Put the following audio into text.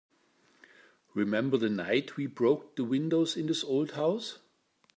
Remember the night we broke the windows in this old house?